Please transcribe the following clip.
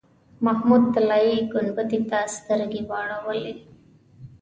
محمود طلایي ګنبدې ته سترګې واړولې.